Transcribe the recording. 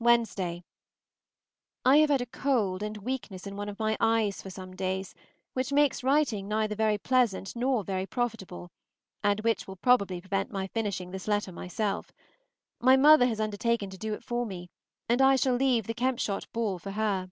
Wednesday. I have had a cold and weakness in one of my eyes for some days, which makes writing neither very pleasant nor very profitable, and which will probably prevent my finishing this letter myself. My mother has undertaken to do it for me, and I shall leave the Kempshott ball for her.